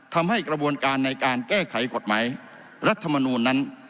ทำให้กระบวนการในการแก้ไขกฎหมายรัฐมนูลนั้น